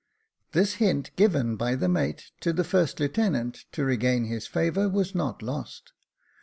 This hint, given by the mate to the first lieutenant, to regain his favour, was not lost.